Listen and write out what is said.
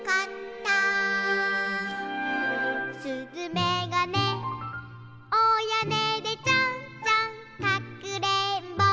「すずめがねおやねでちょんちょんかくれんぼ」